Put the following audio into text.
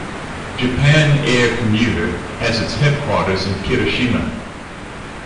Japan Air Commuter has its headquarters in Kirishima.